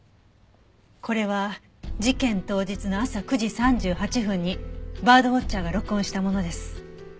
これは事件当日の朝９時３８分にバードウォッチャーが録音したものです。